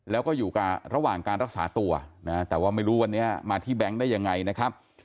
แล้วก็อยู่กับระหว่างการรักษาตัวนะแต่ว่าไม่รู้วันนี้มาที่แบงค์ได้ยังไงนะครับ